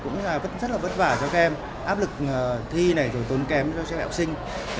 cũng rất vất vả cho các em áp lực thi này tốn kém cho các em học sinh